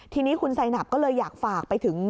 ทีนี้คุณไซนับก็เลยอยากฝากไปถึง